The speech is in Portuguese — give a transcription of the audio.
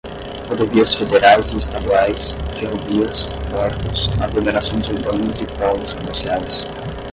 rodovias federais e estaduais, ferrovias, portos, aglomerações urbanas e polos comerciais;